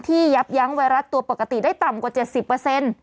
ยับยั้งไวรัสตัวปกติได้ต่ำกว่า๗๐